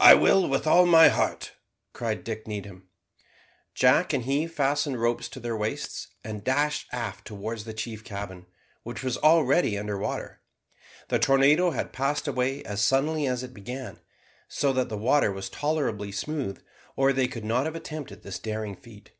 "I will, with all my heart," cried Dick Needham. Jack and he fastened ropes to their waists, and dashed aft towards the chief cabin, which was already under water. The tornado had passed away as suddenly as it began, so that the water was tolerably smooth, or they could not have attempted this daring feat.